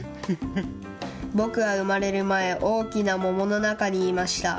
僕は生まれる前、大きな桃の中にいました。